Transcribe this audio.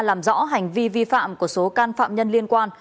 làm rõ hành vi vi phạm của số can phạm nhân liên quan